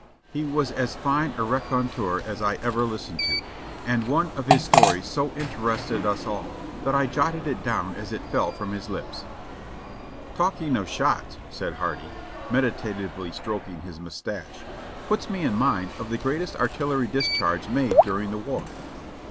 He was as fine a raconteur as I ever listened to; and one of his stor ies so interested us all that I jotted it down as it fell from his Hps. ''Talking of shots," said Hardy, meditatively stroking his mous tache, "puts me in mind of the greatest artillery discharge made during the war."